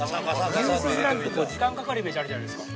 ◆牛すじ鍋は、時間がかかるイメージがあるじゃないですか。